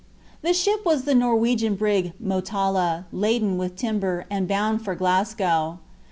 The ship was the Norwegian brig Motala, laden with timber, and bound for Glasgow.